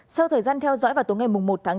sau thời gian theo dõi vào tối ngày một tháng chín